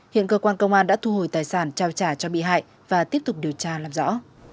hiện cơ quan công an đã thu hồi tài sản trao trả cho bị hại và tiếp tục điều tra làm rõ